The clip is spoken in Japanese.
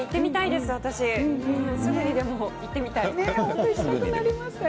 すぐにでも行ってみたい。